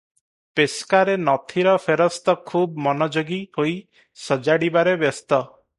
ପେସ୍କାରେ ନଥିର ଫେରସ୍ତ ଖୁବ୍ ମନଯୋଗୀ ହୋଇ ସଜାଡ଼ିବାରେ ବ୍ୟସ୍ତ ।